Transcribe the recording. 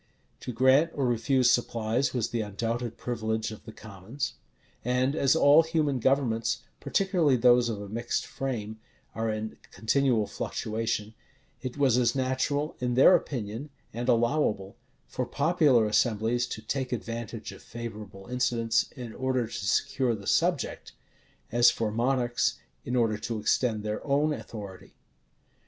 To grant or refuse supplies was the undoubted privilege of the commons. And as all human governments, particularly those of a mixed frame, are in continual fluctuation, it was as natural, in their opinion, and allowable, for popular assemblies to take advantage of favorable incidents, in order to secure the subject, as for monarchs, in order to extend their own authority.